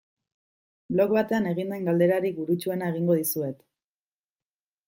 Blog batean egin den galderarik burutsuena egingo dizuet.